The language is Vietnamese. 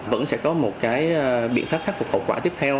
vẫn sẽ có một biện pháp khắc phục hậu quả tiếp theo